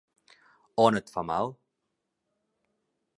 On et fa mal?